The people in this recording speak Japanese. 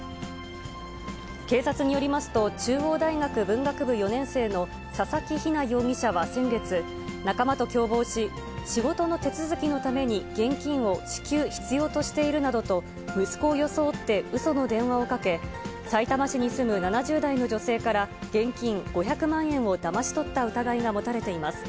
警察によりますと、中央大学文学部４年生の佐々木ひな容疑者は先月、仲間と共謀し、仕事の手続きのために現金を支給必要としているなどと、息子を装ってうその電話をかけ、さいたま市に住む７０代の女性から、現金５００万円をだまし取った疑いが持たれています。